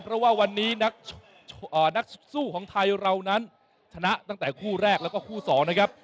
เพราะว่าวันนี้นักสู้ของไทยเรานั้นชนะตั้งแต่คู่แรกแล้วก็คู่๒นะครับ